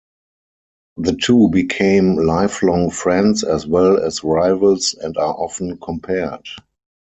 The two became lifelong friends as well as rivals and are often compared.